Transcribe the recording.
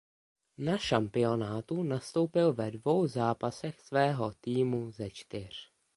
Na šampionátu nastoupil ve dvou zápasech svého týmu ze čtyř.